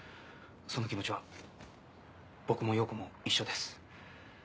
その気持ちは僕も洋子も一緒です。